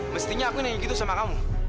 mestinya aku yang nanya